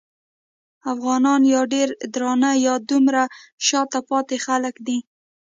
افغانان یا ډېر درانه یا دومره شاته پاتې خلک دي.